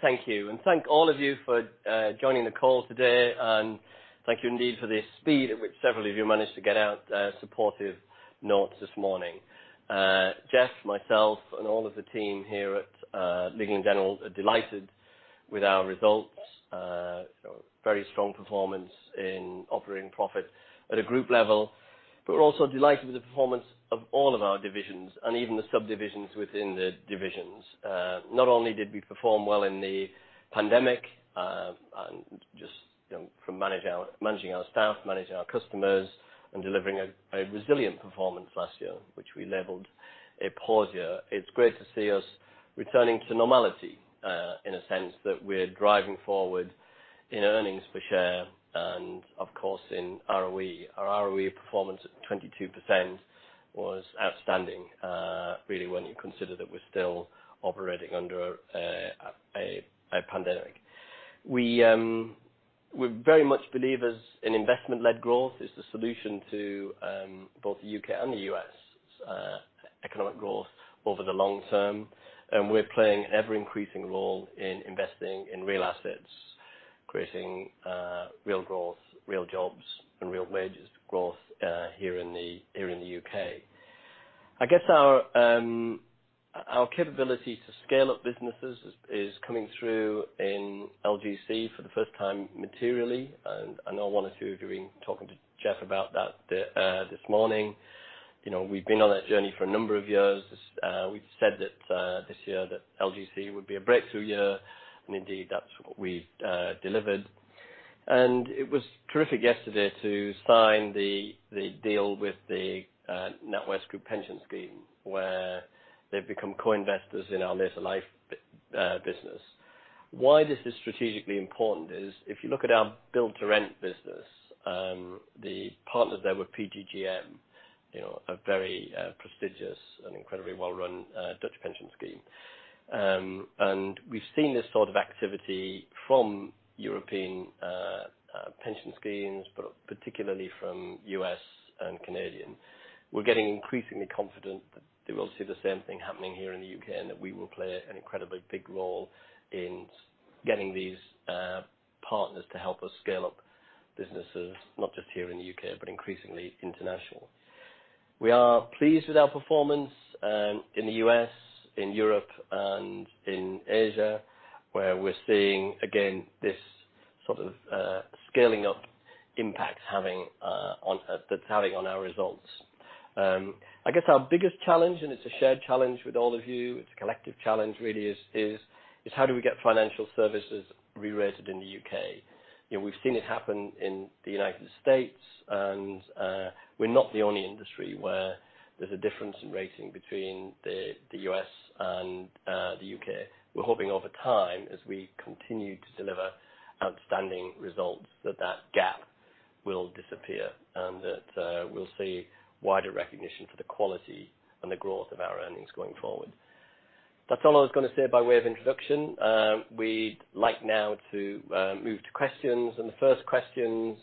Thank you. Thank all of you for joining the call today, and thank you indeed for the speed at which several of you managed to get out supportive notes this morning. Jeff, myself, and all of the team here at Legal & General are delighted with our results. Very strong performance in operating profit at a group level, but we're also delighted with the performance of all of our divisions, and even the subdivisions within the divisions. Not only did we perform well in the pandemic, just from managing our staff, managing our customers, and delivering a resilient performance last year, which we labeled a pause year. It's great to see us returning to normality, in a sense that we're driving forward in earnings per share and, of course, in ROE. Our ROE performance at 22% was outstanding, really, when you consider that we're still operating under a pandemic. We very much believe as in investment-led growth is the solution to both the U.K. and the U.S. economic growth over the long term, and we're playing an ever-increasing role in investing in real assets, creating real growth, real jobs, and real wages growth here in the U.K. I guess our capability to scale up businesses is coming through in LGC for the first time materially, and I know one or two of you have been talking to Jeff about that this morning. We've been on that journey for a number of years. We've said that this year that LGC would be a breakthrough year, and indeed, that's what we delivered. It was terrific yesterday to sign the deal with the NatWest Group Pension Scheme, where they've become co-investors in our later life business. Why this is strategically important is if you look at our build-to-rent business, the partners there were PGGM, a very prestigious and incredibly well-run Dutch pension scheme. We've seen this sort of activity from European pension schemes, but particularly from U.S. and Canadian. We're getting increasingly confident that we will see the same thing happening here in the U.K., that we will play an incredibly big role in getting these partners to help us scale up businesses, not just here in the U.K., but increasingly international. We are pleased with our performance in the U.S., in Europe, and in Asia, where we're seeing, again, this sort of scaling up impact that's having on our results. I guess our biggest challenge, it's a shared challenge with all of you, it's a collective challenge, really, is how do we get financial services rerated in the U.K.? We've seen it happen in the United States, and we're not the only industry where there's a difference in rating between the U.S. and the U.K. We're hoping over time, as we continue to deliver outstanding results, that that gap will disappear and that we'll see wider recognition for the quality and the growth of our earnings going forward. That's all I was going to say by way of introduction. We'd like now to move to questions, and the first question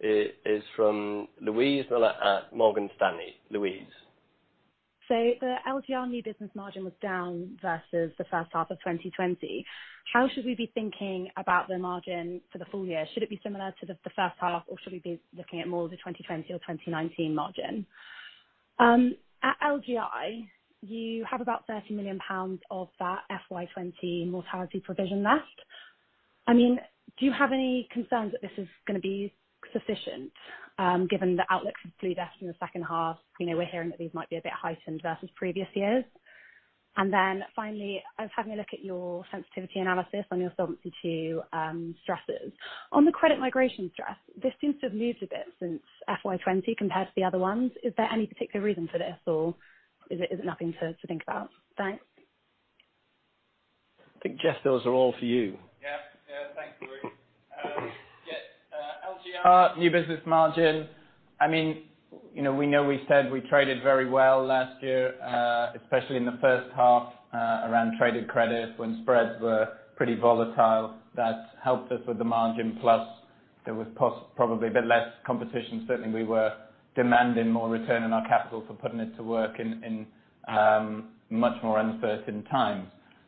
is from Louise Miller at Morgan Stanley. Louise. The LGR new business margin was down versus the first half of 2020. How should we be thinking about the margin for the full year? Should it be similar to the first half, or should we be looking at more of the 2020 or 2019 margin? At LGI, you have about 30 million pounds of that FY 2020 mortality provision left. Do you have any concerns that this is going to be sufficient given the outlook for deaths in the second half? We're hearing that these might be a bit heightened versus previous years. Finally, I was having a look at your sensitivity analysis on your Solvency II stresses. On the credit migration stress, this seems to have moved a bit since FY 2020 compared to the other ones. Is there any particular reason for this, or is it nothing to think about? Thanks. I think, Jeff, those are all for you. Thanks Louise. LGR new business margin. We know we said we traded very well last year, especially in the first half around traded credit when spreads were pretty volatile. That helped us with the margin plus there was probably a bit less competition. Certainly, we were demanding more return on our capital for putting it to work in much more uncertain times.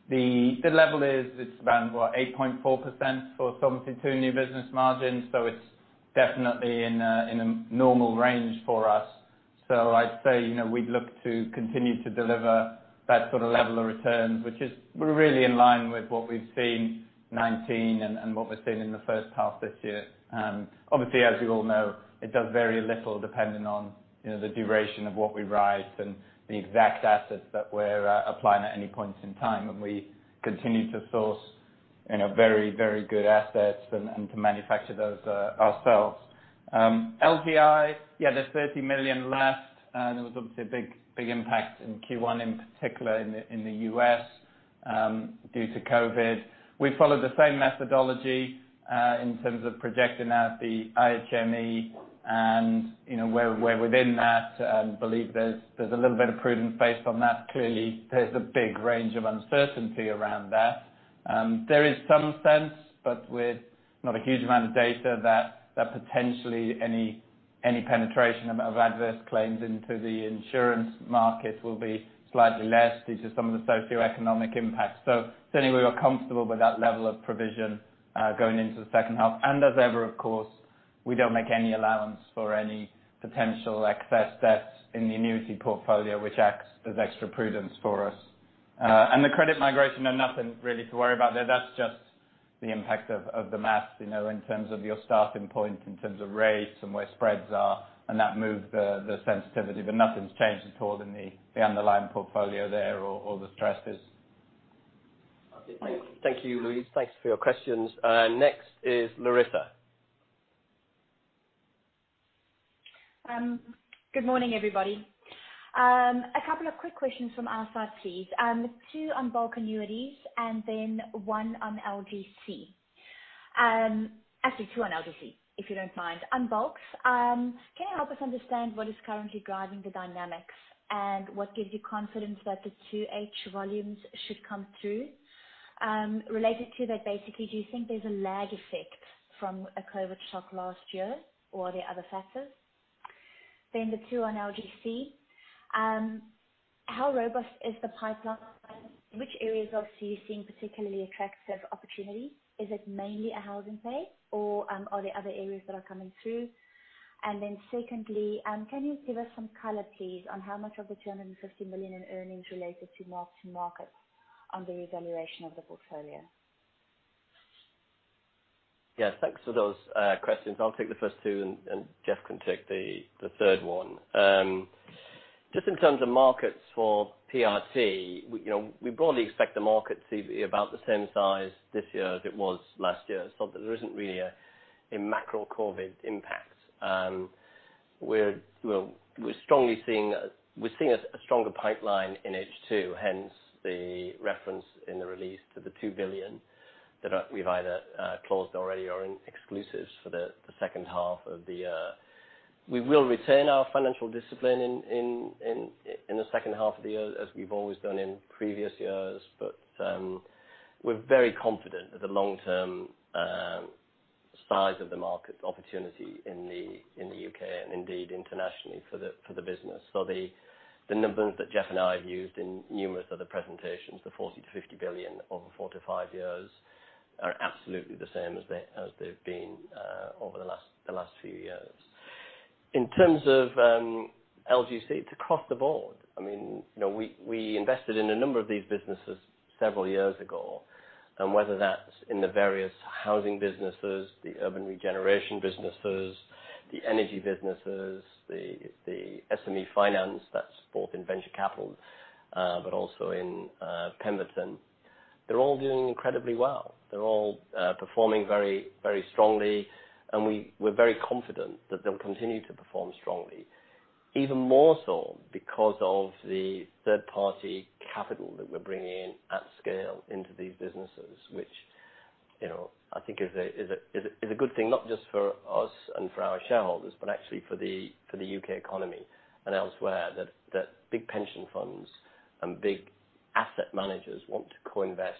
The level is around 8.4% for Solvency II new business margin. It's definitely in a normal range for us. I'd say, we'd look to continue to deliver that sort of level of returns, which is really in line with what we've seen 2019 and what we've seen in the first half this year. As you all know, it does vary a little depending on the duration of what we write and the exact assets that we're applying at any point in time, and we continue to source very, very good assets and to manufacture those ourselves. LGIM, yeah, there's 30 million left. There was obviously a big impact in Q1, in particular in the U.S. due to COVID. We followed the same methodology, in terms of projecting out the IHME and where within that. We believe there's a little bit of prudence based on that. There's a big range of uncertainty around that. There is some sense, but with not a huge amount of data. Any penetration of adverse claims into the insurance market will be slightly less due to some of the socioeconomic impacts. Certainly, we are comfortable with that level of provision going into the second half. As ever, of course, we don't make any allowance for any potential excess debts in the annuity portfolio, which acts as extra prudence for us. The credit migration, nothing really to worry about there. That's just the impact of the math in terms of your starting point, in terms of rates and where spreads are, and that moved the sensitivity. Nothing's changed at all in the underlying portfolio there or the stresses. Thank you, Louise. Thanks for your questions. Next is Larissa. Good morning, everybody. A couple of quick questions from our side, please. Two on bulk annuities and then one on LGC. Actually, two on LGC, if you don't mind. On Bulks, can you help us understand what is currently driving the dynamics and what gives you confidence that the H2 volumes should come through? Related to that, basically, do you think there's a lag effect from a COVID shock last year or are there other factors? The two on LGC. How robust is the pipeline? Which areas are you seeing particularly attractive opportunities? Is it mainly a housing play or are there other areas that are coming through? Secondly, can you give us some color, please, on how much of the 350 million in earnings related to mark-to-market on the revaluation of the portfolio? Yes, thanks for those questions. I'll take the first two. Jeff can take the third one. Just in terms of markets for PRT, we broadly expect the market to be about the same size this year as it was last year. There isn't really a macro COVID impact. We're seeing a stronger pipeline in H2, hence the reference in the release to the 2 billion that we've either closed already or in exclusives for the second half of the year. We will retain our financial discipline in the second half of the year as we've always done in previous years. We're very confident that the long-term size of the market opportunity in the U.K. and indeed internationally for the business. The numbers that Jeff and I have used in numerous other presentations, the 40 billion-50 billion over four to five years, are absolutely the same as they've been over the last few years. In terms of LGC, it's across the board. We invested in a number of these businesses several years ago, and whether that's in the various housing businesses, the urban regeneration businesses, the energy businesses, the SME finance that's both in venture capital but also in Pemberton. They're all doing incredibly well. They're all performing very strongly, and we're very confident that they'll continue to perform strongly, even more so because of the third-party capital that we're bringing in at scale into these businesses, which I think is a good thing, not just for us and for our shareholders, but actually for the U.K. economy and elsewhere, that big pension funds and big asset managers want to co-invest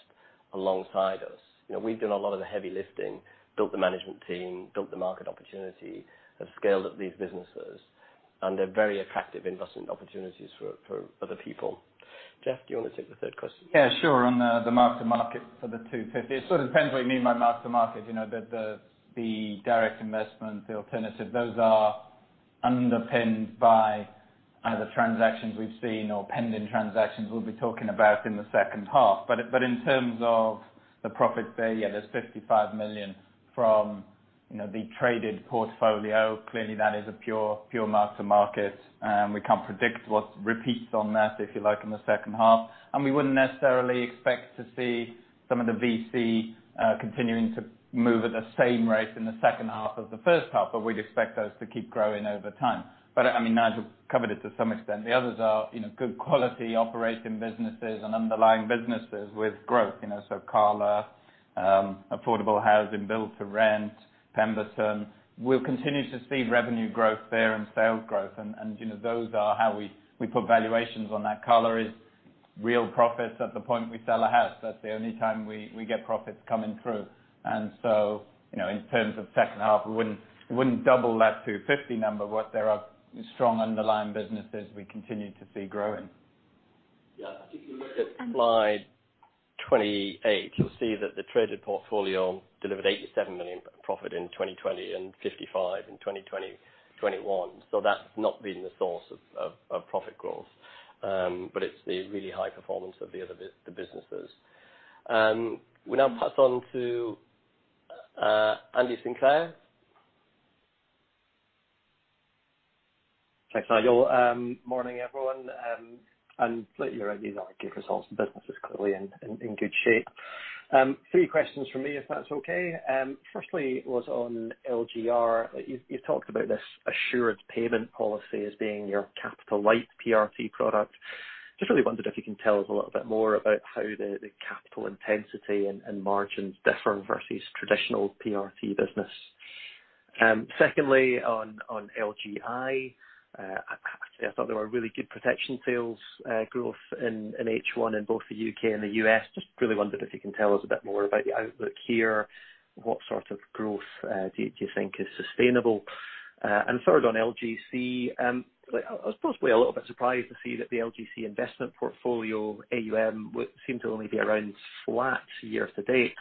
alongside us. We've done a lot of the heavy lifting, built the management team, built the market opportunity, have scaled up these businesses, and they're very attractive investment opportunities for other people. Jeff, do you want to take the third question? Yeah, sure. On the mark-to-market for the 250 million. It sort of depends what you mean by mark-to-market. The direct investment, the alternative, those are underpinned by either transactions we've seen or pending transactions we'll be talking about in the second half. In terms of the profit there, yeah, there's 55 million from the traded portfolio. Clearly, that is a pure mark-to-market. We can't predict what repeats on that, if you like, in the second half. We wouldn't necessarily expect to see some of the VC continuing to move at the same rate in the second half of the first half, but we'd expect those to keep growing over time. Nigel covered it to some extent. The others are good quality operating businesses and underlying businesses with growth. Cala, affordable housing, build-to-rent, Pemberton. We'll continue to see revenue growth there and sales growth. Those are how we put valuations on that. Cala is real profits at the point we sell a house. That's the only time we get profits coming through. In terms of second half, we wouldn't double that 250 number, but there are strong underlying businesses we continue to see growing. Yeah. If you look at slide 28, you'll see that the traded portfolio delivered 87 million profit in 2020 and 55 million in 2021. That's not been the source of profit growth, but it's the really high performance of the other businesses. We now pass on to Andrew Sinclair. Thanks, Nigel. Morning, everyone. You're right, these are good results. The business is clearly in good shape. Three questions from me, if that's okay. Firstly was on LGR. You talked about this Assured Payment Policy as being your capital light PRT product. Just really wondered if you can tell us a little bit more about how the capital intensity and margins differ versus traditional PRT business. Secondly, on LGI, I thought there were really good protection sales growth in H1 in both the U.K. and the U.S. Just really wondered if you can tell us a bit more about the outlook here. What sort of growth do you think is sustainable? Third, on LGC, I was supposedly a little bit surprised to see that the LGC investment portfolio AUM seemed to only be around flat year-to-date.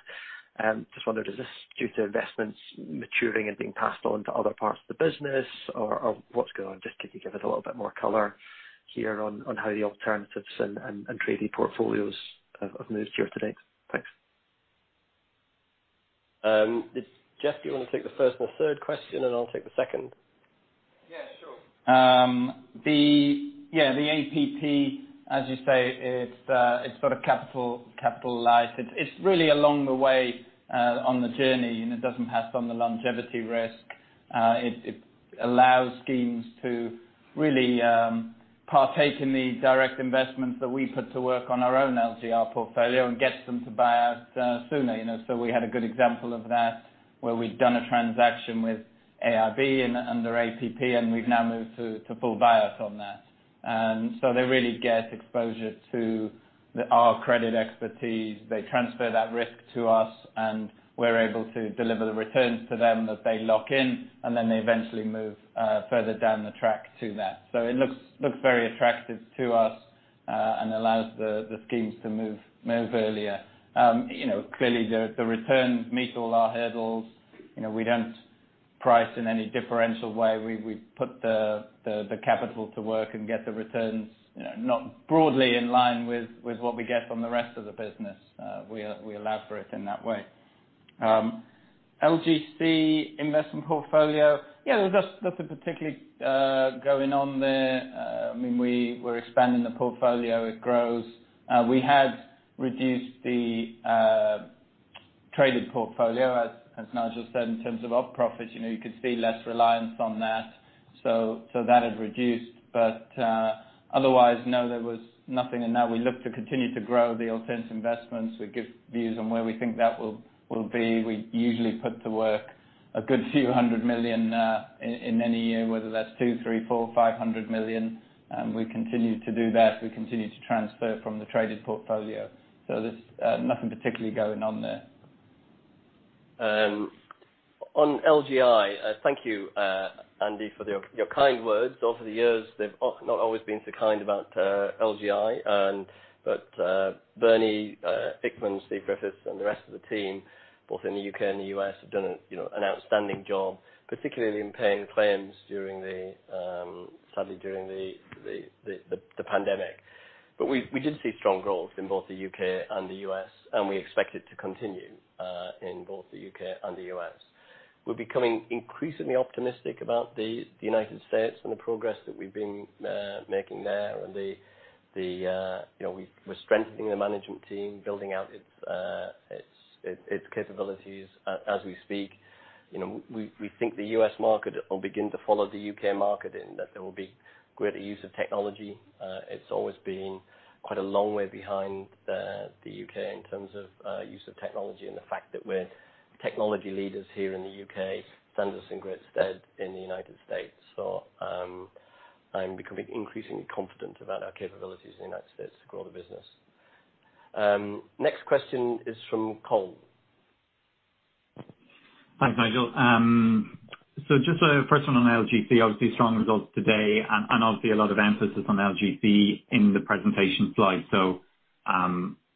Just wondered, is this due to investments maturing and being passed on to other parts of the business or what's going on? Just could you give us a little bit more color here on how the alternatives and traded portfolios have moved year to date? Thanks. Jeff, do you want to take the first or third question and I'll take the second? Yeah, sure. The APP, as you say, it's got a capital-light. It's really along the way on the journey, and it doesn't pass on the longevity risk. It allows schemes to really partake in the direct investments that we put to work on our own LGR portfolio and gets them to buy out sooner. We had a good example of that where we'd done a transaction with AIB under APP, and we've now moved to full buyout on that. They really get exposure to our credit expertise. They transfer that risk to us, and we're able to deliver the returns to them that they lock in, and then they eventually move further down the track to that. It looks very attractive to us and allows the schemes to move earlier. Clearly, the returns meet all our hurdles. We don't price in any differential way. We put the capital to work and get the returns not broadly in line with what we get from the rest of the business. We allow for it in that way. LGC investment portfolio. Yeah, there was nothing particularly going on there. We're expanding the portfolio. It grows. We had reduced the traded portfolio, as Nigel said, in terms of operating profits. You could see less reliance on that. That had reduced. Otherwise, no, there was nothing in that. We look to continue to grow the alternate investments. We give views on where we think that will be. We usually put to work a good few hundred million in any year, whether that's 200 million-500 million. We continue to do that. We continue to transfer from the traded portfolio. There's nothing particularly going on there. On LGI, thank you, Andy, for your kind words. Over the years, they've not always been so kind about LGI. Bernie Hickman, Steve Griffiths, and the rest of the team, both in the U.K. and the U.S., have done an outstanding job, particularly in paying claims sadly during the pandemic. We did see strong growth in both the U.K. and the U.S., and we expect it to continue in both the U.K. and the U.S. We're becoming increasingly optimistic about the United States and the progress that we've been making there. We're strengthening the management team, building out its capabilities as we speak. We think the U.S. market will begin to follow the U.K. market in that there will be greater use of technology. It's always been quite a long way behind the U.K. in terms of use of technology, and the fact that we're technology leaders here in the U.K. stands us in great stead in the U.S. I'm becoming increasingly confident about our capabilities in the U.S. to grow the business. Next question is from Colm. Thanks, Nigel. Just a first one on LGC, obviously strong results today, and obviously a lot of emphasis on LGC in the presentation slide.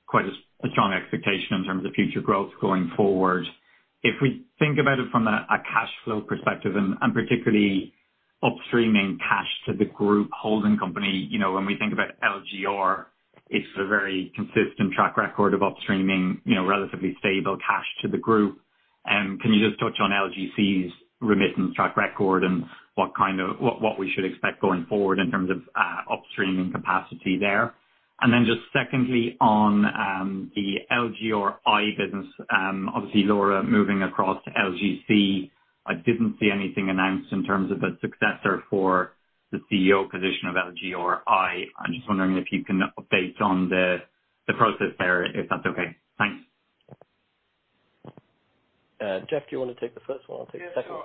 Quite a strong expectation in terms of future growth going forward. If we think about it from a cash flow perspective and particularly upstreaming cash to the group holding company, when we think about LGR, it's a very consistent track record of upstreaming relatively stable cash to the group. Can you just touch on LGC's remittance track record and what we should expect going forward in terms of upstreaming capacity there? Then just secondly, on the LGRI business, obviously Laura moving across to LGC, I didn't see anything announced in terms of a successor for the CEO position of LGRI. I'm just wondering if you can update on the process there, if that's okay. Thanks. Jeff, do you want to take the first one? I'll take the second. Sure.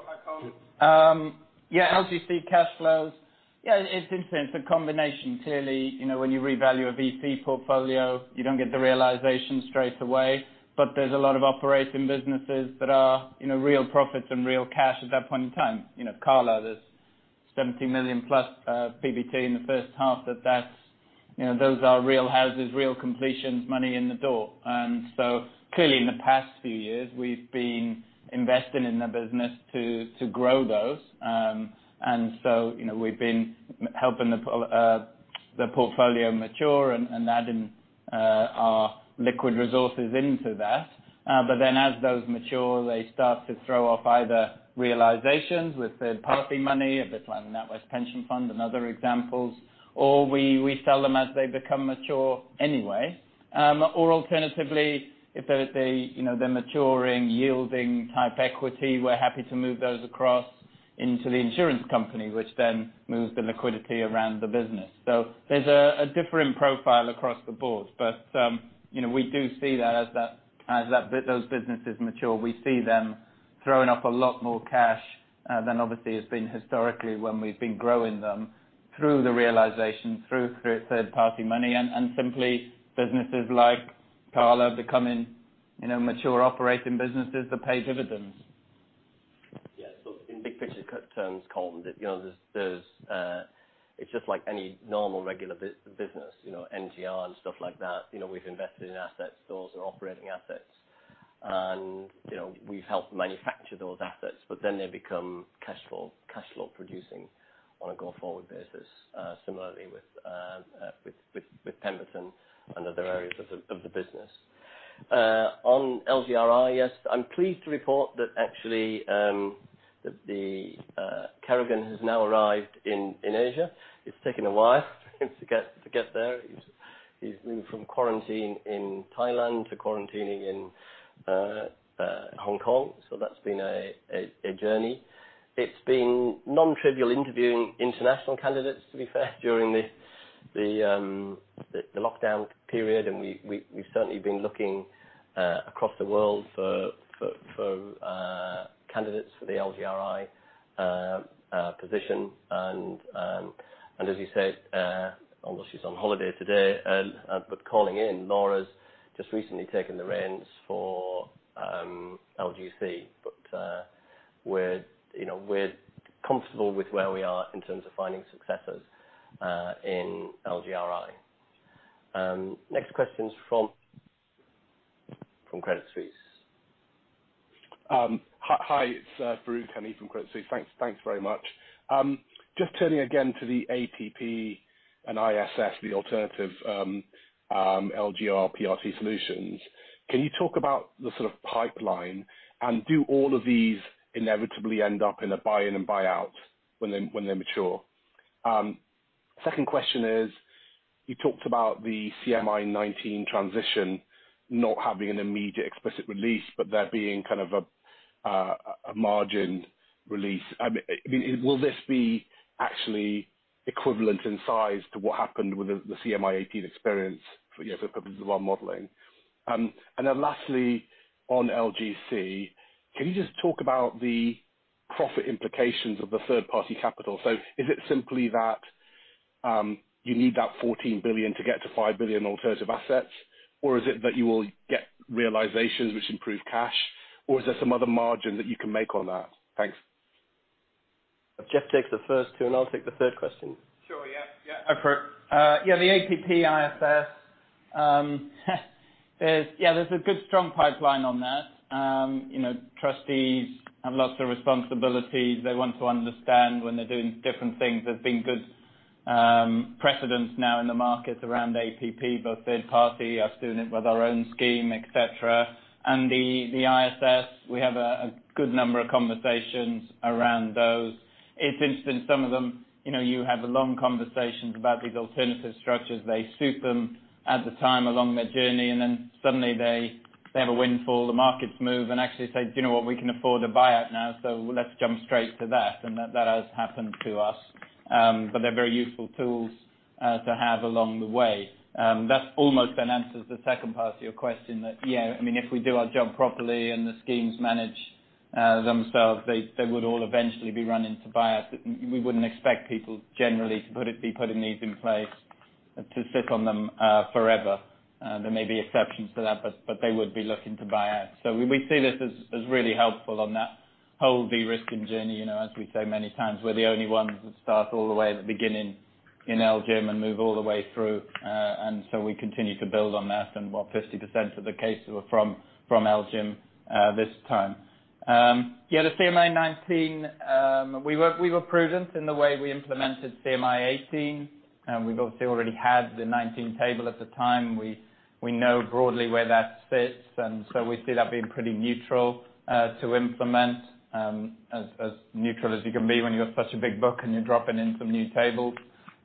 Hi, Colm. LGC cash flows. It's interesting. It's a combination. Clearly, when you revalue a VC portfolio, you don't get the realization straight away. There's a lot of operating businesses that are real profits and real cash at that point in time. Cala, there's 17 million plus PBT in the first half. Those are real houses, real completions, money in the door. Clearly in the past few years, we've been investing in the business to grow those. We've been helping the portfolio mature and adding our liquid resources into that. As those mature, they start to throw off either realizations with the party money, a bit like the NatWest Pension Fund and other examples, or we sell them as they become mature anyway. Alternatively, if they're maturing, yielding-type equity, we're happy to move those across into the insurance company, which then moves the liquidity around the business. There's a different profile across the board. We do see that as those businesses mature, we see them throwing off a lot more cash than obviously has been historically when we've been growing them through the realization, through third-party money, and simply businesses like Cala becoming mature operating businesses that pay dividends. Yeah. In big picture terms, Colm, it's just like any normal, regular business, LGR and stuff like that. We've invested in asset stores and operating assets. We've helped manufacture those assets, they become cash flow producing on a go-forward basis. Similarly with Pemberton and other areas of the business. On LGRI, yes, I'm pleased to report that actually, the Kerrigan has now arrived in Asia. It's taken a while for him to get there. He's moved from quarantine in Thailand to quarantining in Hong Kong. That's been a journey. It's been non-trivial interviewing international candidates, to be fair, during the lockdown period. We've certainly been looking across the world for candidates for the LGRI position. As you said, although she's on holiday today, but calling in, Laura's just recently taken the reins for LGC. We're comfortable with where we are in terms of finding successors in LGRI. Next question is from Credit Suisse. Hi, it's Farooq Hanif from Credit Suisse. Thanks very much. Just turning again to the APP and ISS, the alternative LGR, PRT solutions. Can you talk about the sort of pipeline, and do all of these inevitably end up in a buy-in and buyout when they mature? Second question is, you talked about the CMI 19 transition not having an immediate explicit release, but there being kind of a margined release. Will this be actually equivalent in size to what happened with the CMI 18 experience for purposes of our modeling? Lastly, on LGC, can you just talk about the profit implications of the third-party capital? Is it simply that you need that 14 billion to get to 5 billion alternative assets? Is it that you will get realizations which improve cash? Is there some other margin that you can make on that? Thanks. If Jeff takes the first two, and I'll take the third question. Sure. Yeah. The APP ISS. There's a good, strong pipeline on that. Trustees have lots of responsibilities. They want to understand when they're doing different things. There's been good precedents now in the market around APP, both third party, us doing it with our own scheme, et cetera. The ISS, we have a good number of conversations around those. It's interesting, some of them, you have long conversations about these alternative structures. They suit them at the time along their journey, then suddenly they have a windfall, the markets move and actually say, "Do you know what? We can afford a buyout now, so let's jump straight to that." That has happened to us. They're very useful tools to have along the way. That almost then answers the second part to your question that, yeah, if we do our job properly and the schemes manage themselves, they would all eventually be run into buyouts. We wouldn't expect people generally to be putting these in place to sit on them forever. There may be exceptions to that, they would be looking to buy out. We see this as really helpful on that whole de-risking journey. As we say many times, we're the only ones that start all the way at the beginning in LGIM and move all the way through. We continue to build on that, and 50% of the cases were from LGIM this time. Yeah, the CMI 19. We were prudent in the way we implemented CMI 18. We obviously already had the 19 table at the time. We know broadly where that sits. We see that being pretty neutral to implement, as neutral as you can be when you've got such a big book and you're dropping in some new tables.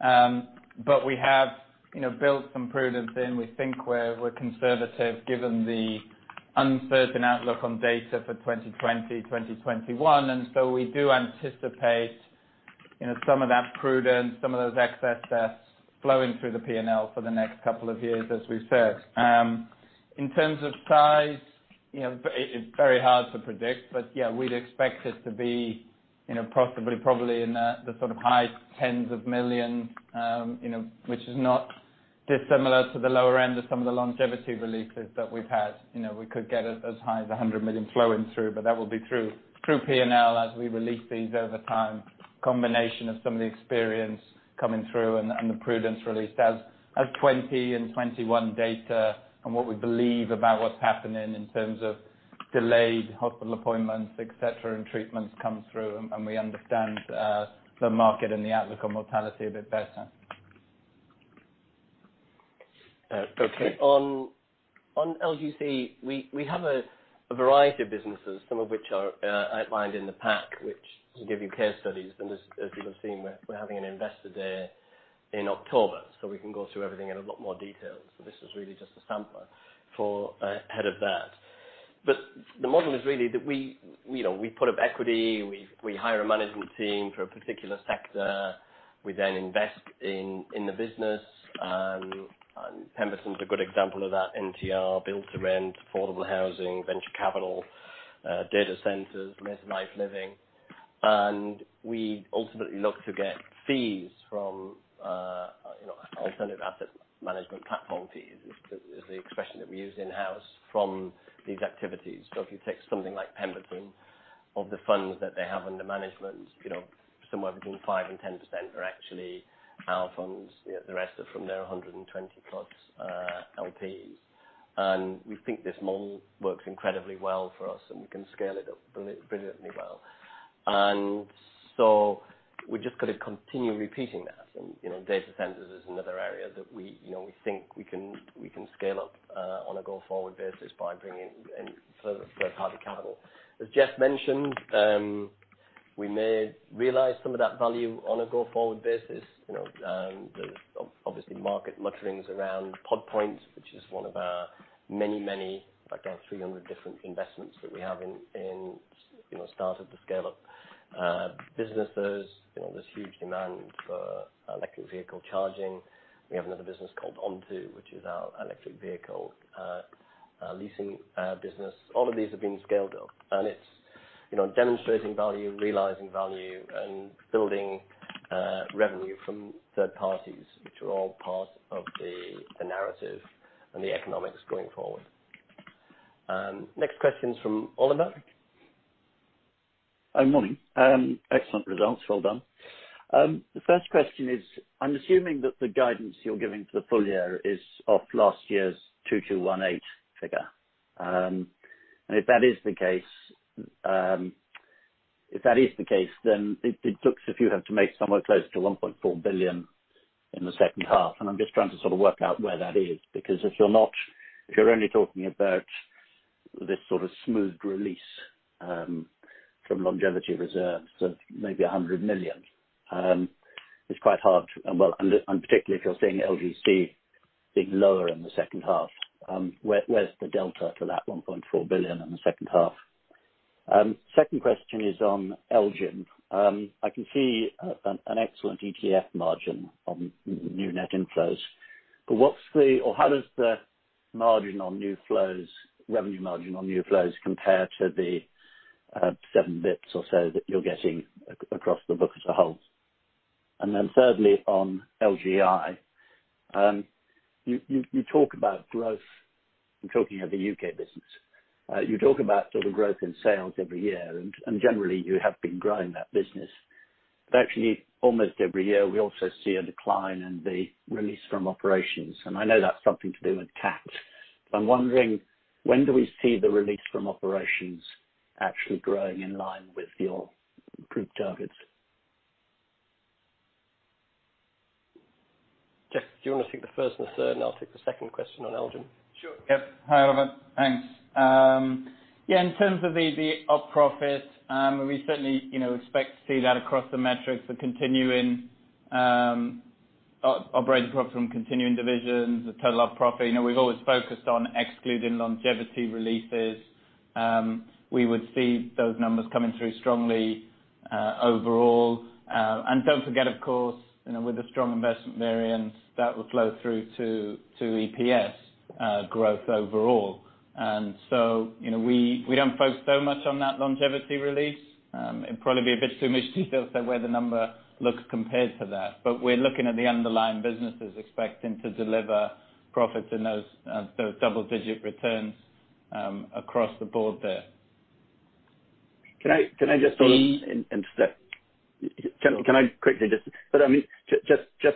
We have built some prudence in. We think we're conservative given the uncertain outlook on data for 2020, 2021. We do anticipate some of that prudence, some of those excess deaths flowing through the P&L for the next couple of years, as we've said. In terms of size, it's very hard to predict. We'd expect it to be possibly, probably in the sort of GBP high tens of million, which is not dissimilar to the lower end of some of the longevity releases that we've had. We could get as high as 100 million flowing through, but that will be through P&L as we release these over time. Combination of some of the experience coming through and the prudence release as 2020 and 2021 data and what we believe about what's happening in terms of delayed hospital appointments, et cetera, and treatments come through, and we understand the market and the outlook on mortality a bit better. Okay. On LGC, we have a variety of businesses, some of which are outlined in the pack, which will give you case studies. As you have seen, we're having an investor day in October, so we can go through everything in a lot more detail. This is really just a sampler ahead of that. The model is really that we put up equity, we hire a management team for a particular sector. We then invest in the business. Pemberton is a good example of that, NTR, build-to-rent, affordable housing, venture capital, data centers, residential living. We ultimately look to get fees from Alternative Asset Management Platform fees, is the expression that we use in-house from these activities. If you take something like Pemberton, of the funds that they have under management, somewhere between 5% and 10% are actually our funds. The rest are from their 120+ LPs. We think this model works incredibly well for us, and we can scale it up brilliantly well. We just got to continue repeating that. Data centers is another area that we think we can scale up on a go-forward basis by bringing in third-party capital. As Jeff Davies mentioned, we may realize some of that value on a go-forward basis. There's obviously market mutterings around Pod Point, which is one of our many, I don't know, 300 different investments that we have and started to scale up businesses. There's huge demand for electric vehicle charging. We have another business called Onto, which is our electric vehicle leasing business. All of these are being scaled up. It's demonstrating value, realizing value, and building revenue from third parties, which are all part of the narrative and the economics going forward. Next question is from Oliver. Good morning. Excellent results. Well done. The first question is, I'm assuming that the guidance you're giving for the full year is off last year's 2,218 figure. If that is the case, then it looks as if you have to make somewhere close to 1.4 billion in the second half. I'm just trying to sort of work out where that is. If you're only talking about this sort of smooth release from longevity reserves of maybe 100 million, it's quite hard. Particularly if you're seeing LGC being lower in the second half, where's the delta to that 1.4 billion in the second half? Second question is on LGIM. I can see an excellent ETF margin on new net inflows. How does the margin on new flows, revenue margin on new flows compare to the 7 bps or so that you're getting across the book as a whole? Thirdly, on LGI. You talk about growth. I'm talking of the U.K. business. You talk about sort of growth in sales every year, and generally, you have been growing that business. Actually, almost every year, we also see a decline in the release from operations. I know that's something to do with tax. I'm wondering when do we see the release from operations actually growing in line with your group targets? Jeff Davies, do you want to take the first and the third, and I'll take the second question on LGIM? Sure. Yep. Hi, Oliver. Thanks. In terms of the operating profit, we certainly expect to see that across the metrics for continuing operating profit from continuing divisions. The total operating profit, we've always focused on excluding longevity releases. We would see those numbers coming through strongly overall. Do not forget, of course, with the strong investment variance, that will flow through to EPS growth overall. We do not focus so much on that longevity release. It'd probably be a bit too much detail to say where the number looks compared to that. We are looking at the underlying businesses expecting to deliver profits in those double-digit returns across the board there. Can I just sort of interject? Sure. Can I quickly Just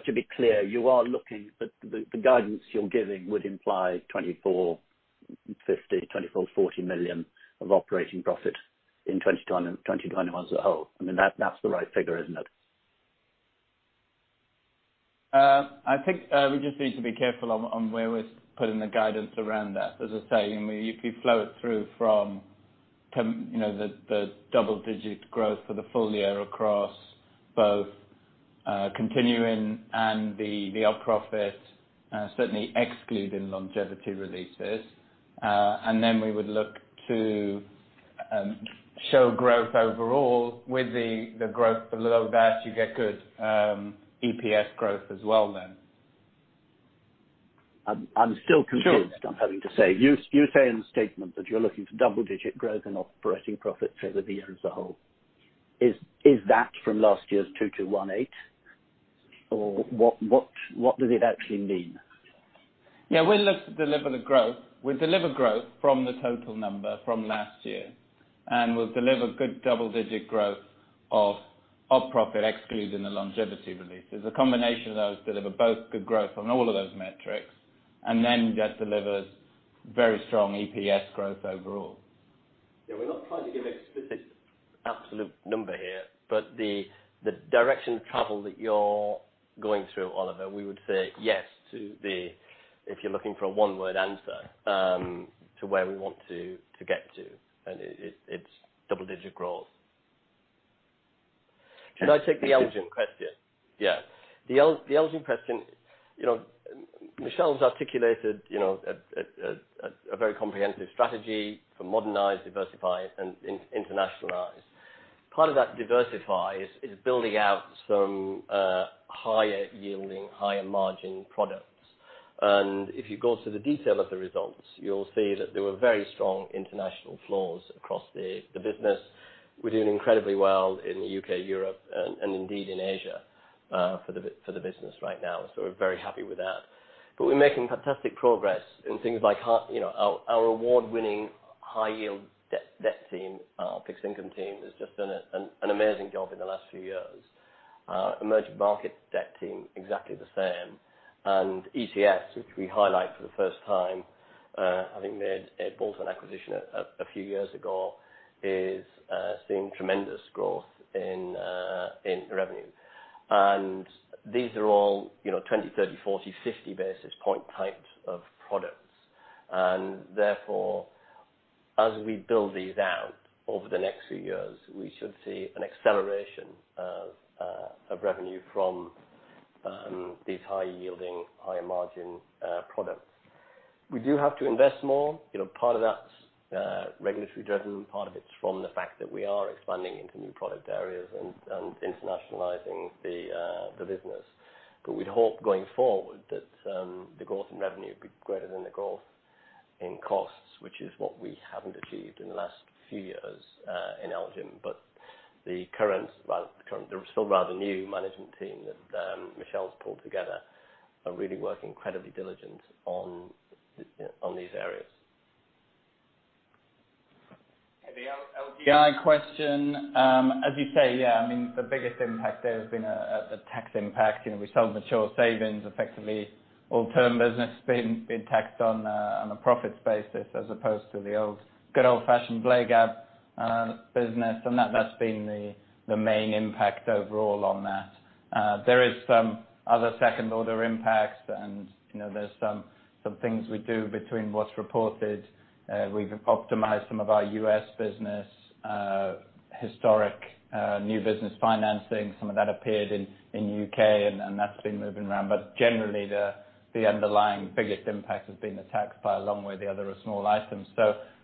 to be clear, the guidance you're giving would imply 2,450 million, 2,440 million of operating profit in 2021 as a whole. I mean, that's the right figure, isn't it? I think we just need to be careful on where we're putting the guidance around that. As I say, if you flow it through from the double-digit growth for the full year across both continuing and the operating profit, certainly excluding longevity releases. We would look to show growth overall with the growth below that, you get good EPS growth as well then. I'm still confused. Sure You say in the statement that you're looking for double-digit growth in operating profit for the year as a whole. Is that from last year's 2,218? What does it actually mean? Yeah, we look to deliver the growth. We deliver growth from the total number from last year, and we'll deliver good double-digit growth of operating profit excluding the longevity releases. A combination of those deliver both good growth on all of those metrics, and then that delivers very strong EPS growth overall. Yeah, we're not trying to give explicit absolute number here, but the direction of travel that you're going through, Oliver, we would say yes to the, if you're looking for a one-word answer, to where we want to get to. It's double-digit growth. Can I take the LGIM question? Yeah. The LGIM question, you know- Michelle has articulated a very comprehensive strategy for modernize, diversify, and internationalize. Part of that diversify is building out some higher yielding, higher margin products. If you go to the detail of the results, you'll see that there were very strong international flows across the business. We're doing incredibly well in the U.K., Europe, and indeed in Asia for the business right now. We're very happy with that. We're making fantastic progress in things like our award-winning high yield debt team, our fixed income team has just done an amazing job in the last few years. Emerging markets debt team, exactly the same. ETFs, which we highlight for the first time, having made a bolt-on acquisition a few years ago, is seeing tremendous growth in revenue. These are all 20, 30, 40, 50 basis point types of products. Therefore, as we build these out over the next few years, we should see an acceleration of revenue from these high yielding, higher margin products. We do have to invest more. Part of that's regulatory driven, part of it's from the fact that we are expanding into new product areas and internationalizing the business. We'd hope going forward that the growth in revenue will be greater than the growth in costs, which is what we haven't achieved in the last few years in LGIM, but the still rather new management team that Michelle's pulled together are really working incredibly diligent on these areas. The LGI question, as you say, yeah, the biggest impact there has been the tax impact. We sold Mature Savings, effectively all term business being taxed on a profits basis as opposed to the good old fashioned business. That's been the main impact overall on that. There is some other second-order impacts. There's some things we do between what's reported. We've optimized some of our U.S. business historic new business financing. Some of that appeared in U.K. That's been moving around. Generally, the underlying biggest impact has been the tax by a long way. The other are small items.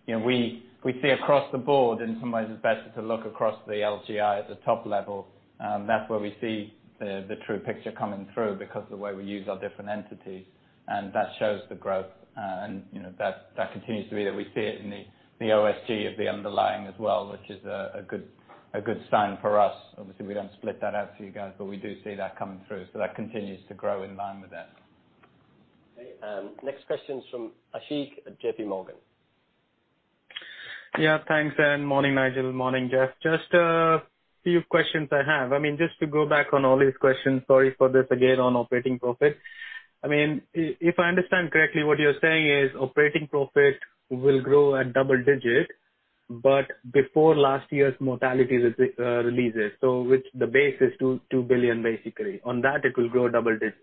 We see across the board, in some ways it's better to look across the LGI at the top level. That's where we see the true picture coming through because the way we use our different entities. That shows the growth. That continues to be that we see it in the OSG of the underlying as well, which is a good sign for us. Obviously, we don't split that out to you guys, but we do see that coming through. That continues to grow in line with that. Okay. Next question is from Ashik at JP Morgan. Yeah. Thanks, and morning, Nigel. Morning, Jeff. Just a few questions I have. Just to go back on all these questions, sorry for this again, on operating profit. If I understand correctly, what you're saying is operating profit will grow at double-digit, but before last year's mortality releases. Which the base is 2 billion, basically. On that, it will grow double-digit.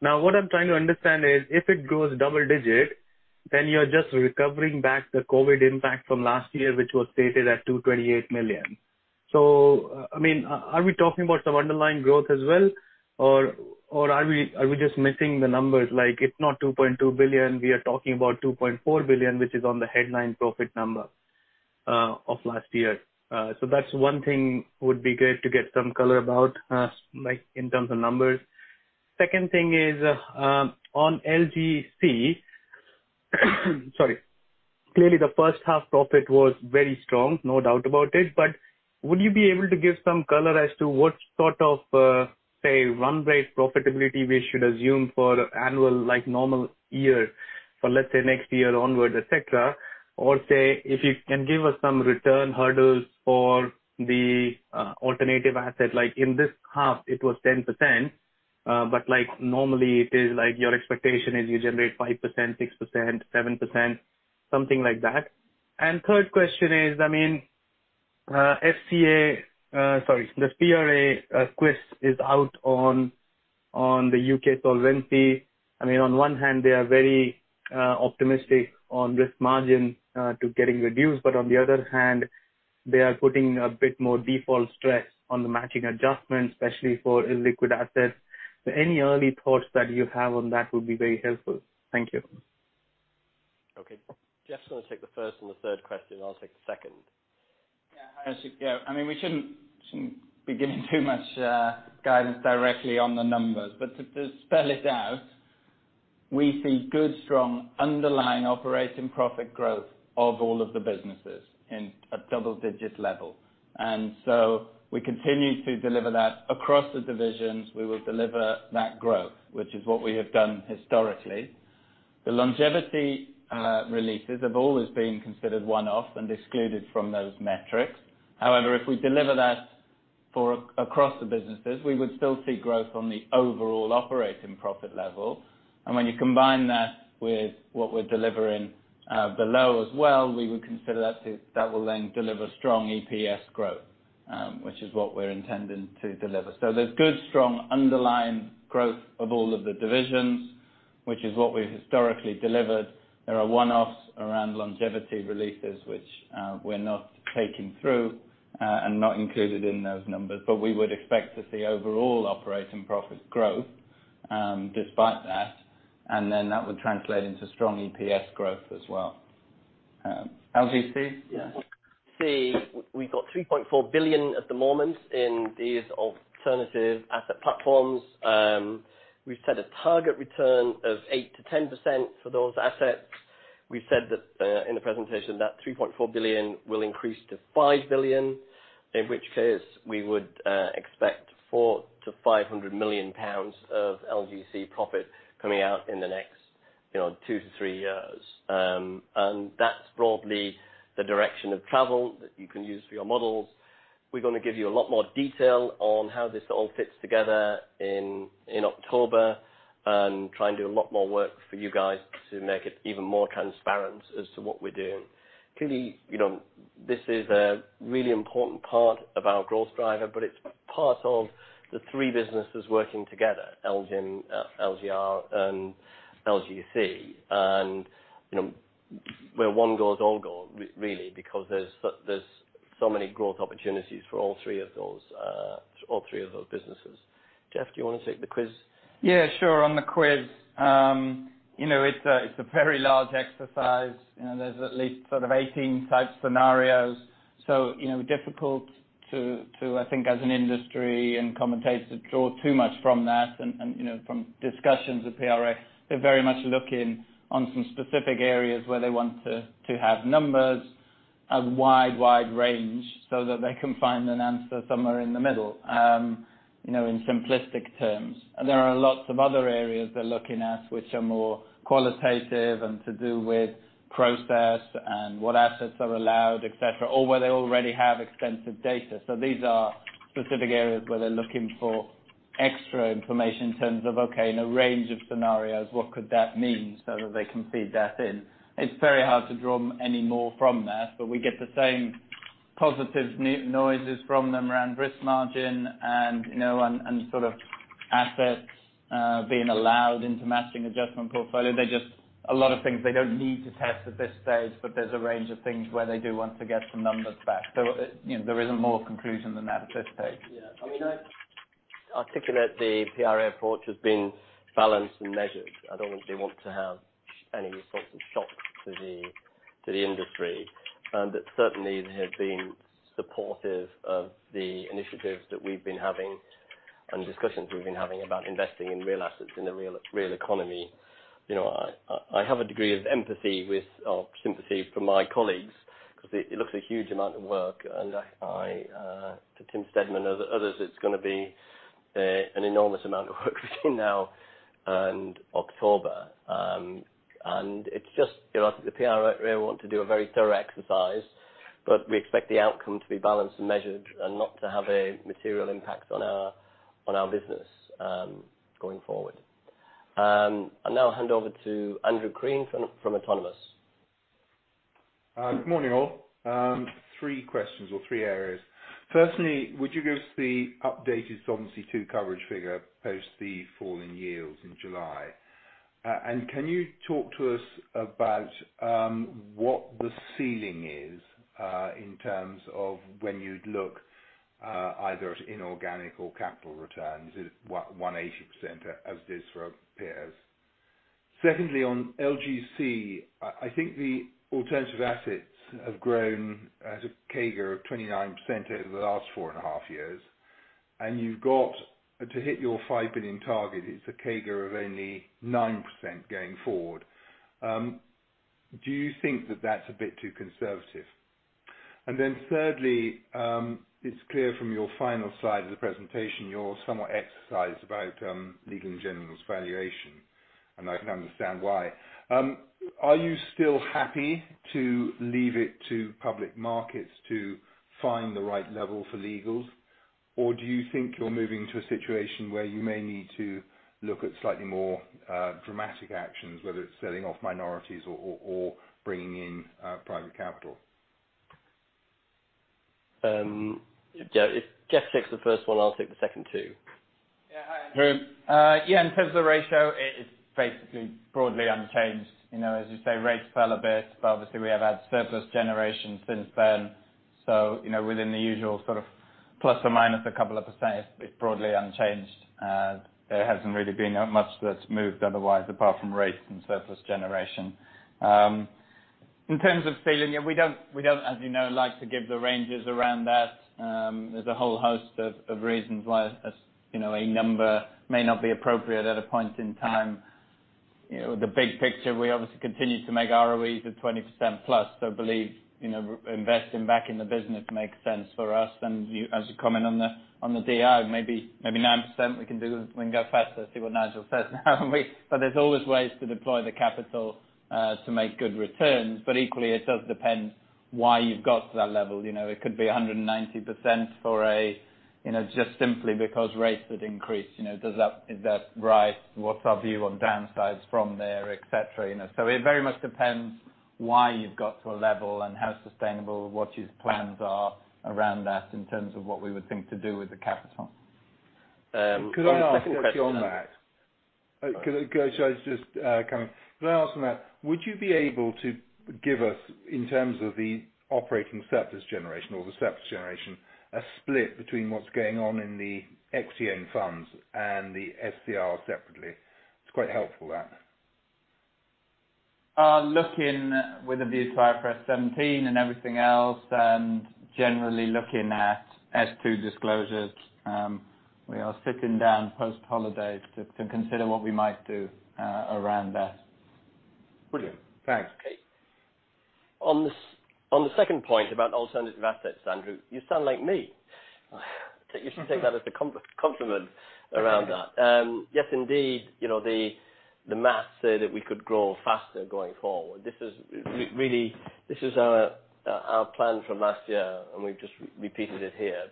What I'm trying to understand is if it grows double-digit, then you're just recovering back the COVID impact from last year, which was stated at 228 million. Are we talking about some underlying growth as well, or are we just missing the numbers? Like it's not 2.2 billion, we are talking about 2.4 billion, which is on the headline profit number of last year. That's one thing would be great to get some color about, in terms of numbers. Second thing is, on LGC, clearly the first half profit was very strong, no doubt about it. Would you be able to give some color as to what sort of, say, run rate profitability we should assume for annual, normal year for, let's say, next year onward, et cetera? Say, if you can give us some return hurdles for the alternative asset. In this half it was 10%, but normally it is like your expectation is you generate 5%, 6%, 7%, something like that. Third question is, the PRA QIS is out on the U.K. solvency. On one hand, they are very optimistic on risk margin to getting reduced, but on the other hand, they are putting a bit more default stress on the matching adjustments, especially for illiquid assets. Any early thoughts that you have on that would be very helpful. Thank you. Okay. Jeff's going to take the first and the third question. I'll take the second. Ashik, we shouldn't be giving too much guidance directly on the numbers, but to spell it out, we see good, strong underlying operating profit growth of all of the businesses in a double-digit level. We continue to deliver that across the divisions. We will deliver that growth, which is what we have done historically. The longevity releases have always been considered one-off and excluded from those metrics. However, if we deliver that across the businesses, we would still see growth on the overall operating profit level. When you combine that with what we're delivering below as well, we would consider that will then deliver strong EPS growth, which is what we're intending to deliver. There's good, strong underlying growth of all of the divisions, which is what we've historically delivered. There are one-offs around longevity releases, which we're not taking through, and not included in those numbers. We would expect to see overall operating profit growth, despite that. That would translate into strong EPS growth as well. LGC? Yeah, we've got 3.4 billion at the moment in these Alternative Asset Platforms. We've set a target return of 8%-10% for those assets. We said that in the presentation, that 3.4 billion will increase to 5 billion, in which case we would expect 400 million-500 million pounds of LGC profit coming out in the next two-three years. That's broadly the direction of travel that you can use for your models. We're going to give you a lot more detail on how this all fits together in October and try and do a lot more work for you guys to make it even more transparent as to what we're doing. Clearly, this is a really important part of our growth driver, but it's part of the three businesses working together, LGEN, LGR and LGC. Where one goes, all go, really, because there's so many growth opportunities for all three of those businesses. Jeff, do you want to take the quiz? Yeah, sure. On the quiz, it's a very large exercise. There's at least 18 type scenarios. Difficult to, I think, as an industry and commentators draw too much from that, and from discussions with PRA, they're very much looking on some specific areas where they want to have numbers, a wide range, so that they can find an answer somewhere in the middle, in simplistic terms. There are lots of other areas they're looking at which are more qualitative and to do with process and what assets are allowed, et cetera, or where they already have extensive data. These are specific areas where they're looking for extra information in terms of, okay, in a range of scenarios, what could that mean so that they can feed that in. It's very hard to draw any more from that, but we get the same positive noises from them around risk margin and assets being allowed into Matching Adjustment Portfolio. A lot of things they don't need to test at this stage, but there's a range of things where they do want to get some numbers back. There isn't more conclusion than that at this stage. I mean, I articulate the PRA approach as being balanced and measured. I do not obviously want to have any sorts of shocks to the industry. Certainly, they have been supportive of the initiatives that we have been having and discussions we have been having about investing in real assets in the real economy. I have a degree of empathy with, or sympathy for my colleagues because it looks a huge amount of work. To Tim Stidman and the others, it is going to be an enormous amount of work between now and October. I think the PRA want to do a very thorough exercise, but we expect the outcome to be balanced and measured and not to have a material impact on our business going forward. I will now hand over to Andrew Crean from Autonomous. Good morning, all. Three questions or three areas. Firstly, would you give us the updated Solvency II coverage figure post the fall in yields in July? Can you talk to us about what the ceiling is, in terms of when you'd look either at inorganic or capital returns? Is it 180% as it is for peers? Secondly, on LGC, I think the alternative assets have grown at a CAGR of 29% over the last 4.5 years. You've got to hit your 5 billion target. It's a CAGR of only 9% going forward. Do you think that that's a bit too conservative? Thirdly, it's clear from your final slide of the presentation, you're somewhat exercised about Legal & General's valuation, and I can understand why. Are you still happy to leave it to public markets to find the right level for Legal & General's? Do you think you're moving to a situation where you may need to look at slightly more dramatic actions, whether it's selling off minorities or bringing in private capital? If Jeff takes the first one, I'll take the second two. Hi, Andrew. In terms of the ratio, it is basically broadly unchanged. As you say, rates fell a bit, but obviously we have had surplus generation since then. Within the usual ±2%, it is broadly unchanged. There has not really been much that has moved otherwise, apart from rates and surplus generation. In terms of ceiling, we do not, as you know, like to give the ranges around that. There is a whole host of reasons why a number may not be appropriate at a point in time. The big picture, we obviously continue to make ROEs of 20%+. I believe investing back in the business makes sense for us. As you comment on the DI, maybe 9%, we can go faster, see what Nigel says now. There is always ways to deploy the capital to make good returns. Equally, it does depend why you've got to that level. It could be 190% just simply because rates would increase. Is that right? What's our view on downsides from there, et cetera. It very much depends why you've got to a level and how sustainable, what his plans are around that in terms of what we would think to do with the capital. Could I ask quickly on that? Sorry. Should I just come in? Could I ask on that, would you be able to give us, in terms of the operating surplus generation or the surplus generation, a split between what's going on in the External funds and the SCR separately? It's quite helpful, that. Looking with a view to IFRS 17 and everything else, generally looking at S2 disclosures. We are sitting down post-holidays to consider what we might do around that. Brilliant. Thanks. Okay. On the second point about alternative assets, Andrew, you sound like me. You should take that as a compliment around that. Indeed, the math say that we could grow faster going forward. This is our plan from last year. We've just repeated it here.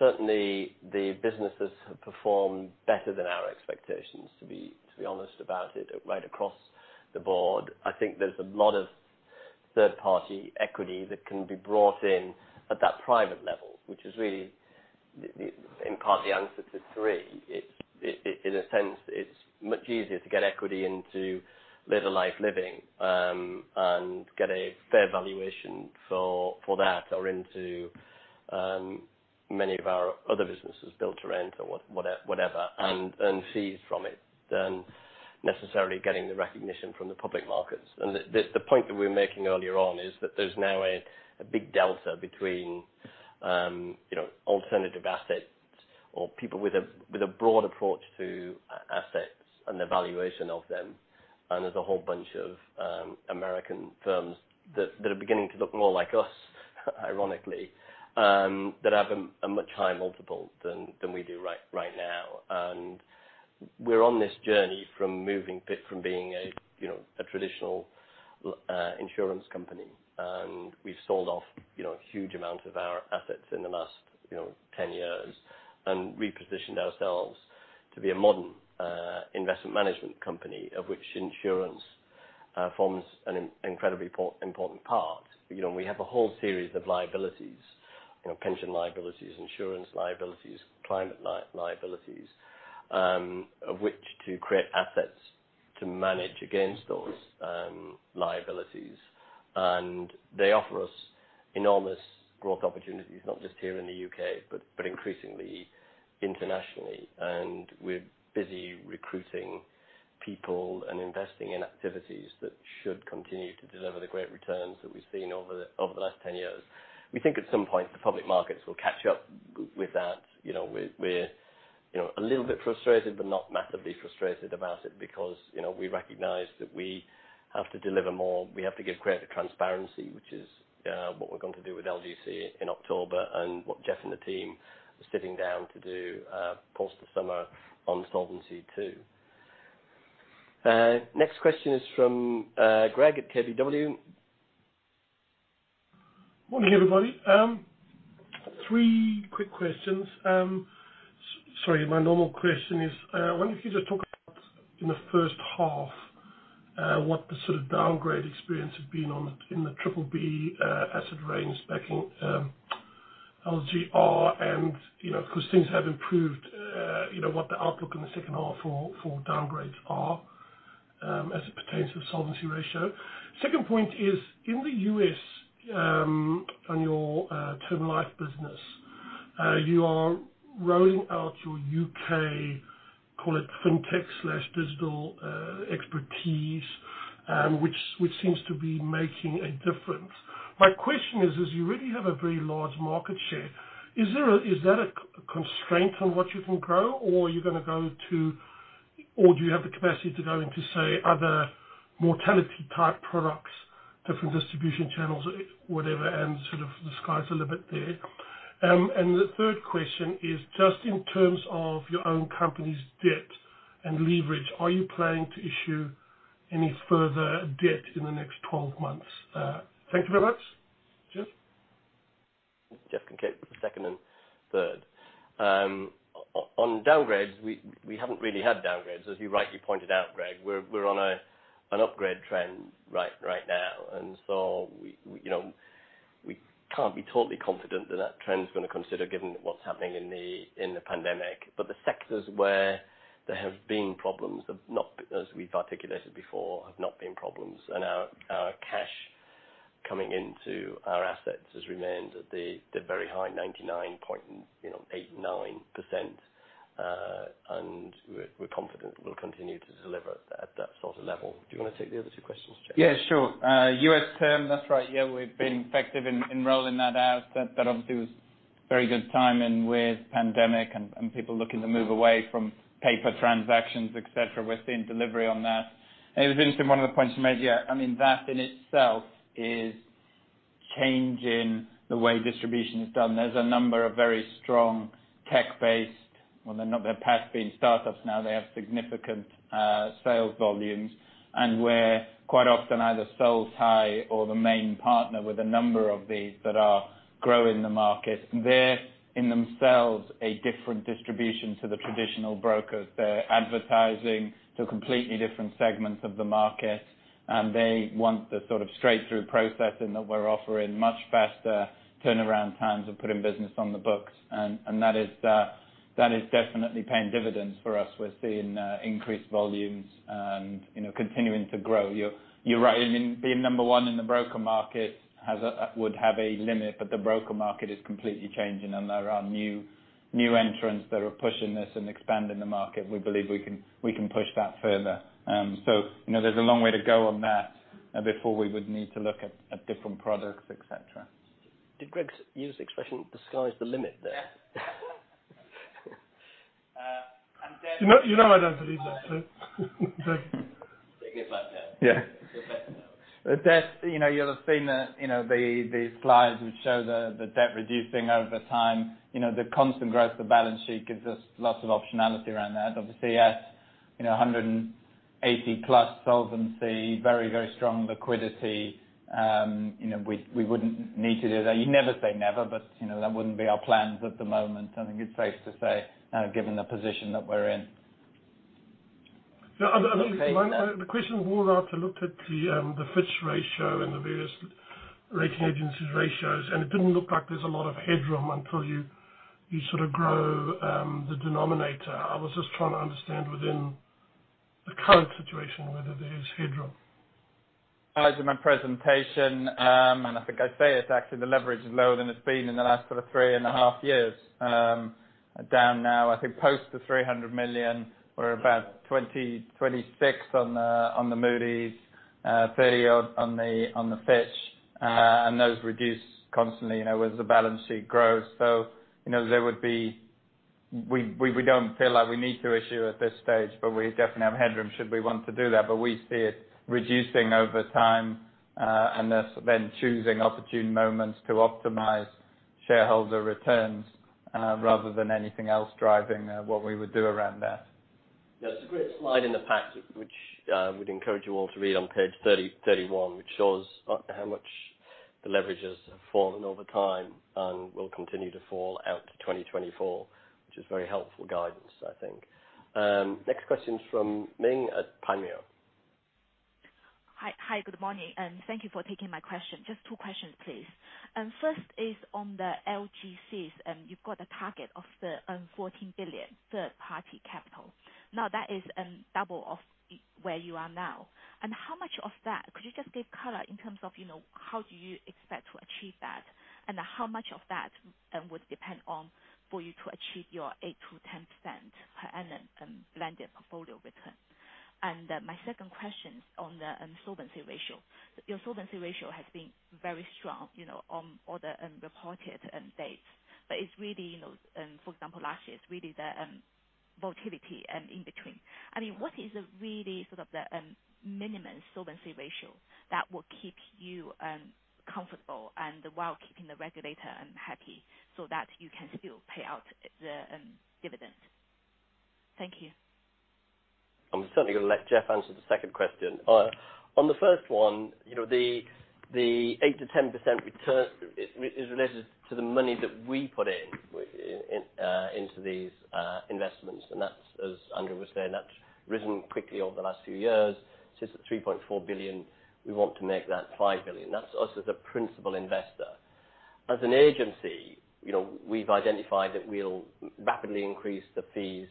Certainly, the businesses have performed better than our expectations, to be honest about it, right across the board. I think there's a lot of third-party equity that can be brought in at that private level, which is really, in part, the answer to three. In a sense, it's much easier to get equity into later life living, and get a fair valuation for that, or into many of our other businesses, build-to-rent or whatever, and fees from it, than necessarily getting the recognition from the public markets. The point that we were making earlier on is that there's now a big delta between alternative assets or people with a broad approach to assets and the valuation of them. There's a whole bunch of American firms that are beginning to look more like us ironically, that have a much higher multiple than we do right now. We're on this journey from moving Pitt from being a traditional insurance company. We've sold off a huge amount of our assets in the last 10 years and repositioned ourselves to be a modern investment management company, of which insurance forms an incredibly important part. We have a whole series of liabilities, pension liabilities, insurance liabilities, climate liabilities, of which to create assets to manage against those liabilities. They offer us enormous growth opportunities, not just here in the U.K., but increasingly internationally. We're busy recruiting people and investing in activities that should continue to deliver the great returns that we've seen over the last 10 years. We think at some point, the public markets will catch up with that. We're a little bit frustrated, but not massively frustrated about it, because we recognize that we have to deliver more. We have to give greater transparency, which is what we're going to do with LGC in October and what Jeff and the team are sitting down to do post the summer on Solvency II. Next question is from Greg at KBW. Morning, everybody. three quick questions. Sorry, my normal question is, I wonder if you could talk about in the first half, what the sort of downgrade experience had been in the BBB asset range backing LGR and, because things have improved, what the outlook in the second half for downgrades are, as it pertains to the solvency ratio. Second point is, in the U.S., on your term life business, you are rolling out your U.K., call it fintech/digital expertise, which seems to be making a difference. My question is, as you really have a very large market share, is that a constraint on what you can grow? Do you have the capacity to go into, say, other mortality type products, different distribution channels, whatever, and sort of the sky's the limit there? The third question is just in terms of your own company's debt and leverage, are you planning to issue any further debt in the next 12 months? Thank you very much. Jeff? Jeff can take the second and third. On downgrades, we haven't really had downgrades. As you rightly pointed out, Greg, we're on an upgrade trend right now. We can't be totally confident that that trend is going to consider given what's happening in the pandemic. The sectors where there have been problems, as we've articulated before, have not been problems. Our cash coming into our assets has remained at the very high 99.89%. We're confident we'll continue to deliver at that sort of level. Do you want to take the other two questions, Jeff? Yeah, sure. U.S. Term, that's right. Yeah, we've been effective in rolling that out. That obviously was very good timing with pandemic and people looking to move away from paper transactions, et cetera. We're seeing delivery on that. It was interesting, one of the points you made, I mean, that in itself is changing the way distribution is done. There's a number of very strong tech-based, well, they've perhaps been startups now. They have significant sales volumes. We're quite often either sole-tie or the main partner with a number of these that are growing the market. They're, in themselves, a different distribution to the traditional brokers. They're advertising to completely different segments of the market, and they want the sort of straight-through processing that we're offering, much faster turnaround times of putting business on the books. That is definitely paying dividends for us. We're seeing increased volumes. Continuing to grow. You're right. Being number one in the broker market would have a limit, but the broker market is completely changing, and there are new entrants that are pushing this and expanding the market. We believe we can push that further. There's a long way to go on that before we would need to look at different products, et cetera. Did Greg use the expression, "The sky's the limit" there? Yeah. You know I don't believe that. Take it back down. Yeah. You'll have seen the slides which show the debt reducing over time. The constant growth of the balance sheet gives us lots of optionality around that. Obviously, yes, 180%+ solvency, very strong liquidity. We wouldn't need to do that. You never say never, but that wouldn't be our plans at the moment, I think it's safe to say, given the position that we're in. The question was more after I looked at the Fitch ratio and the various rating agencies ratios. It didn't look like there's a lot of headroom until you sort of grow the denominator. I was just trying to understand within the current situation whether there is headroom. As in my presentation, I think I say it, actually, the leverage is lower than it's been in the last sort of three and a half years, down now, I think, post the 300 million. We're about 26 on the Moody's, 30 on the Fitch. Those reduce constantly as the balance sheet grows. We don't feel like we need to issue at this stage, but we definitely have headroom should we want to do that. We see it reducing over time, and thus then choosing opportune moments to optimize shareholder returns rather than anything else driving what we would do around that. There's a great slide in the pack, which we'd encourage you all to read on page 30, 31, which shows how much the leverage has fallen over time and will continue to fall out to 2024, which is very helpful guidance, I think. Next question is from Ming Zhu at Panmure. Hi. Good morning. Thank you for taking my question. Just two questions, please. First is on the LGCs. You've got a target of 14 billion third-party capital. That is double of where you are now. How much of that, could you just give color in terms of how do you expect to achieve that, and how much of that would depend on for you to achieve your 8%-10% per annum blended portfolio return? My second question is on the solvency ratio. Your solvency ratio has been very strong on all the reported dates, but it's really, for example, last year, it's really the volatility and in between. What is really sort of the minimum solvency ratio that will keep you comfortable and while keeping the regulator happy so that you can still pay out the dividend? Thank you. I'm certainly going to let Jeff answer the second question. On the first one, the 8%-10% return is related to the money that we put into these investments. That's, as Andrew was saying, that's risen quickly over the last few years. It sits at 3.4 billion. We want to make that 5 billion. That's us as a principal investor. As an Agency, we've identified that we'll rapidly increase the fees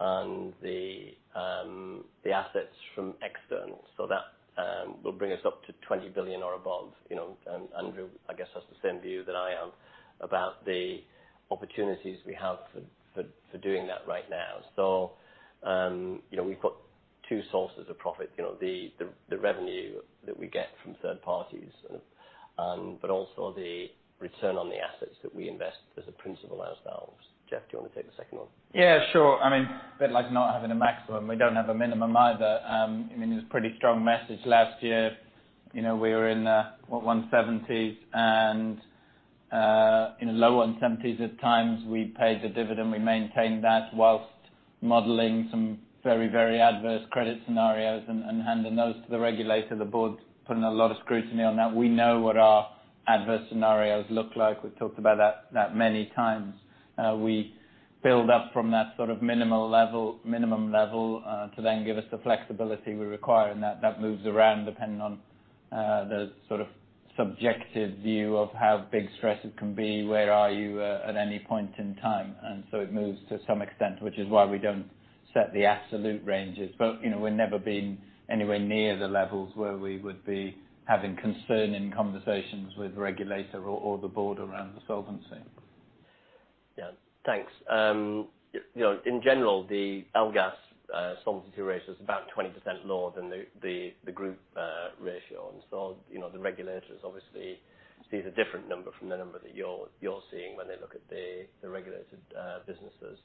and the assets from externals. That will bring us up to 20 billion or above. Andrew, I guess, has the same view that I have about the opportunities we have for doing that right now. We've got two sources of profit, the revenue that we get from third parties, but also the return on the assets that we invest as a principal ourselves. Jeff, do you want to take the second one? Yeah, sure. A bit like not having a maximum, we don't have a minimum either. It was a pretty strong message last year. We were in the 170s and low 170s at times. We paid the dividend. We maintained that while modeling some very adverse credit scenarios and handing those to the regulator, the board putting a lot of scrutiny on that. We know what our adverse scenarios look like. We've talked about that many times. We build up from that sort of minimum level to then give us the flexibility we require. That moves around depending on the sort of subjective view of how big stresses can be, where are you at any point in time. It moves to some extent, which is why we don't set the absolute ranges. We've never been anywhere near the levels where we would be having Concerning conversations with the regulator or the board around the solvency. Yeah. Thanks. In general, the LGAS solvency ratio is about 20% lower than the group ratio. So the regulators obviously see the different number from the number that you're seeing when they look at the regulated businesses.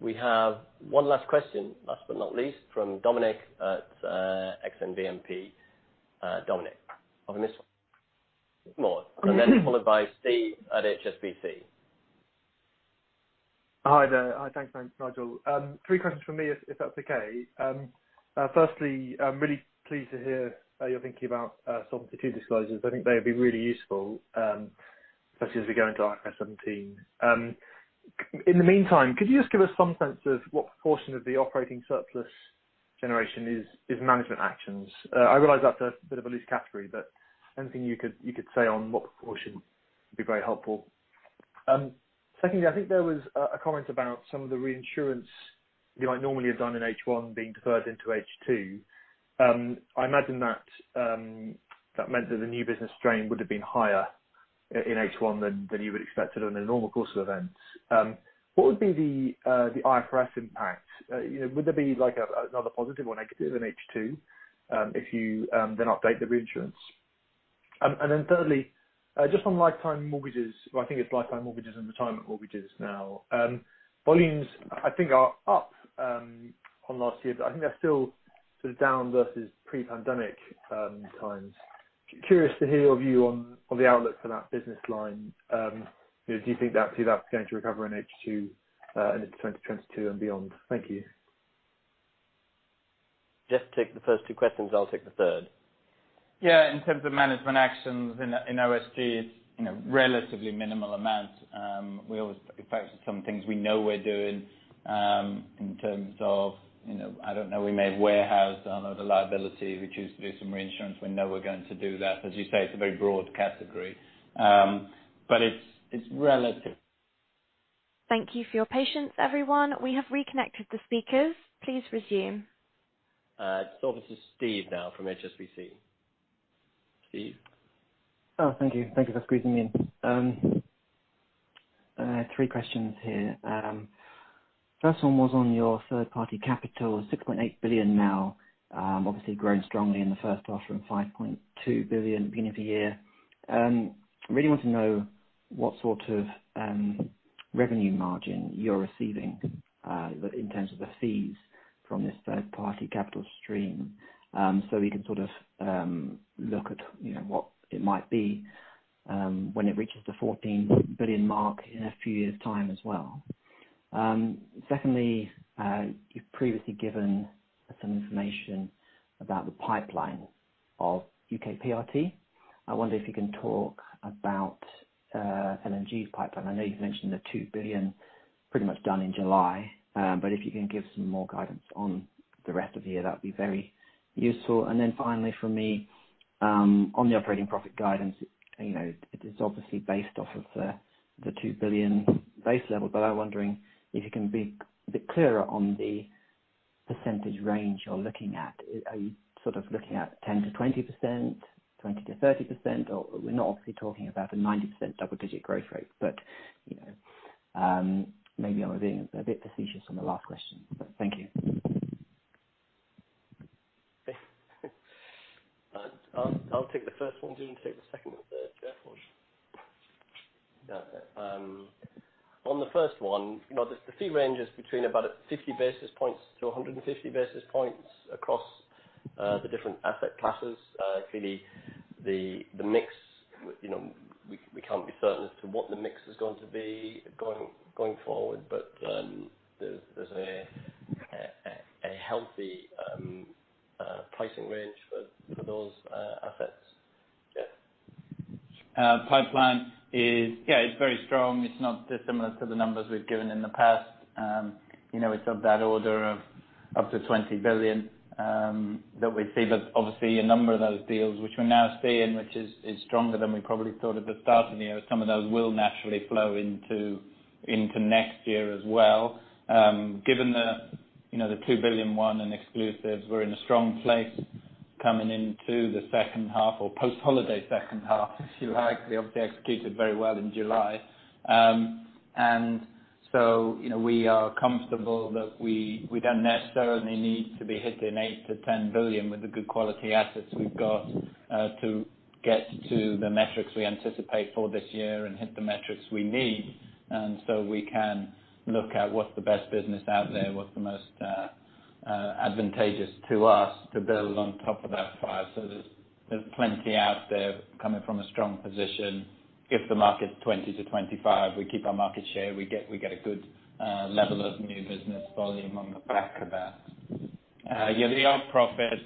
We have one last question, last but not least, from Dominic at Exane BNP. Dominic on this one. Followed by Steve at HSBC. Hi there. Thanks, Nigel. three questions from me, if that's okay. Firstly, I'm really pleased to hear that you're thinking about Solvency II disclosures. I think they'd be really useful, especially as we go into IFRS 17. In the meantime, could you just give us some sense of what proportion of the operating surplus generation is management actions? I realize that's a bit of a loose category, anything you could say on what proportion would be very helpful. Secondly, I think there was a comment about some of the reinsurance you might normally have done in H1 being deferred into H2. I imagine that meant that the new business strain would have been higher in H1 than you would expect it on a normal course of events. What would be the IFRS impact? Would there be another positive or negative in H2, if you then update the reinsurance? Thirdly, just on lifetime mortgages, well, I think it's lifetime mortgages and retirement mortgages now. Volumes, I think, are up on last year, but I think they're still sort of down versus pre-pandemic times. Curious to hear your view on the outlook for that business line. Do you think that's going to recover in H2 and into 2022 and beyond? Thank you. Jeff take the first two questions. I'll take the third. Yeah. In terms of management actions in OSG, it's relatively minimal amounts. We always focus on things we know we're doing, in terms of I don't know, we may warehouse another liability. We choose to do some reinsurance. We know we're going to do that. As you say, it's a very broad category, but it's relative. Thank you for your patience, everyone. We have reconnected the speakers. Please resume. It's over to Steve now from HSBC. Steve? Oh, thank you. Thank you for squeezing me in. I have three questions here. First one was on your third-party capital of 6.8 billion now. Obviously grown strongly in the first half from 5.2 billion beginning of the year. Really want to know what sort of revenue margin you're receiving in terms of the fees from this third-party capital stream, so we can sort of look at what it might be when it reaches the 14 billion mark in a few years' time as well. Secondly, you've previously given some information about the pipeline of U.K. PRT. I wonder if you can talk about LGR's pipeline. I know you've mentioned the 2 billion pretty much done in July, but if you can give some more guidance on the rest of the year, that would be very useful. Finally for me, on the operating profit guidance, it is obviously based off of the 2 billion base level, but I'm wondering if you can be a bit clearer on the percentage range you're looking at. Are you sort of looking at 10%-20%, 20%-30%? We're not obviously talking about the 90% double-digit growth rate. Maybe I was being a bit facetious on the last question. Thank you. I'll take the first one. Do you want to take the second and third, Jeff, or? Yeah. On the first one, the fee range is between about 50-150 basis points across the different asset classes. Clearly the mix, we can't be certain as to what the mix is going to be going forward. There's a healthy pricing range for those assets. Jeff? Pipeline is very strong. It's not dissimilar to the numbers we've given in the past. It's of that order of up to 20 billion that we see. Obviously, a number of those deals, which we're now seeing, which is stronger than we probably thought at the start of the year, some of those will naturally flow into next year as well. Given the 2 billion won in exclusives, we're in a strong place coming into the second half or post-holiday second half, if you like. We obviously executed very well in July. We are comfortable that we don't necessarily need to be hitting 8 billion-10 billion with the good quality assets we've got to get to the metrics we anticipate for this year and hit the metrics we need. We can look at what's the best business out there, what's the most advantageous to us to build on top of that five. There's plenty out there coming from a strong position. If the market's 20%-25%, we keep our market share. We get a good level of new business volume on the back of that. The operating profit,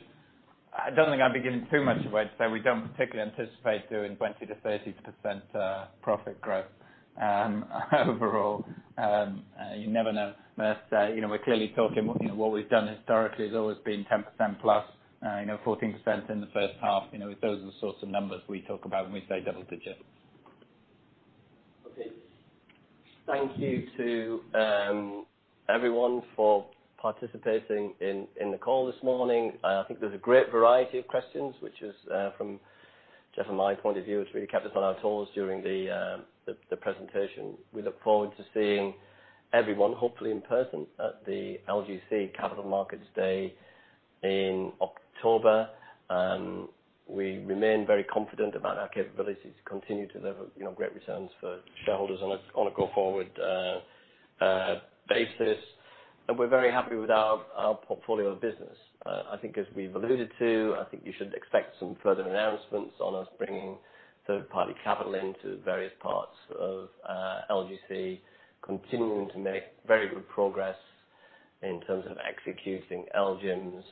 I don't think I'd be giving too much away to say we don't particularly anticipate doing 20%-30% profit growth overall. You never know. We're clearly talking, what we've done historically has always been 10% plus, 14% in the first half. Those are the sorts of numbers we talk about when we say double digits. Okay. Thank you to everyone for participating in the call this morning. I think there was a great variety of questions, which is from Jeff and my point of view, it's really kept us on our toes during the presentation. We look forward to seeing everyone, hopefully in person, at the LGC Capital Markets Day in October. We remain very confident about our capabilities to continue to deliver great returns for shareholders on a go-forward basis. We're very happy with our portfolio of business. I think as we've alluded to, I think you should expect some further announcements on us bringing third-party capital into various parts of LGC, continuing to make very good progress in terms of executing LGIM's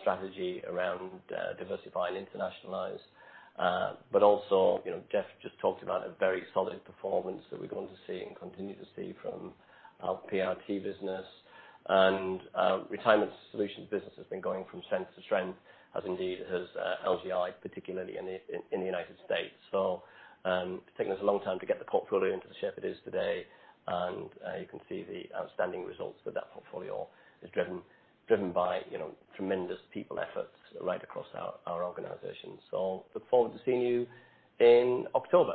strategy around diversify and internationalize. Jeff just talked about a very solid performance that we're going to see and continue to see from our PRT business. Retirement Solutions business has been going from strength to strength, as indeed has LGI, particularly in the U.S. It's taken us a long time to get the portfolio into the shape it is today, and you can see the outstanding results that that portfolio has driven by tremendous people efforts right across our organization. Look forward to seeing you in October.